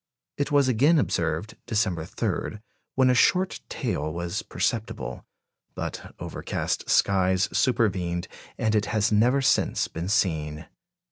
It was again observed December 3, when a short tail was perceptible; but overcast skies supervened, and it has never since been seen.